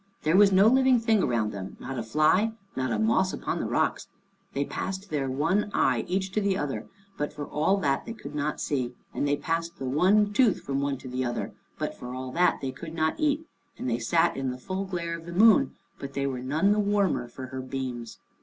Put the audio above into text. There was no living thing around them, not a fly, not a moss upon the rocks. They passed their one eye each to the other, but for all that they could not see, and they passed the one tooth from one to the other, but for all that they could not eat, and they sat in the full glare of the moon, but they were none the warmer for her beams.